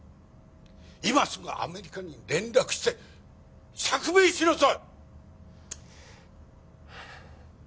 今すぐアメリカに連絡して釈明しなさい！